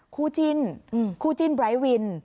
คู่จิ้นคู่จิ้นไร้วิน